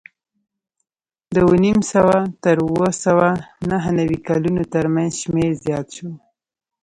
د اوه نیم سوه تر اوه سوه نهه نوې کلونو ترمنځ شمېر زیات شو